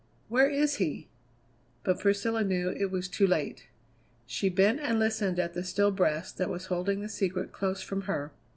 Where is he?" But Priscilla knew it was too late. She bent and listened at the still breast that was holding the secret close from her.